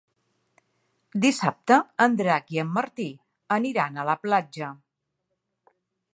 Dissabte en Drac i en Martí aniran a la platja.